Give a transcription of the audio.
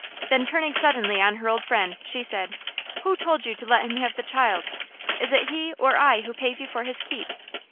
Then turning suddenly on her old friend, she said, "Who told you to let him have the child?... Is it he or I who pays you for his keep?